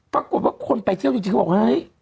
ปรากฏว่าคนไปเที่ยวจริงก็บอกว่า